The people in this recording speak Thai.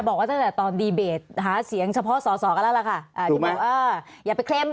จะบอกว่าตั้งแต่ตอนดีเบตหาเสียงเฉพาะส่อกันแล้วล่ะค่ะ